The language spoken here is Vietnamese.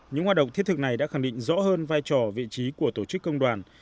những hoạt động thiết thực này đã khẳng định rõ hơn vai trò vị trí của tổ chức công đoàn